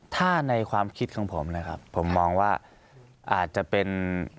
ถ้าในความคิดของผมนะครับผมมองว่าอาจจะเป็น